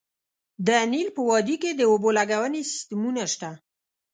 د نیل په وادۍ کې د اوبو لګونې سیستمونه شته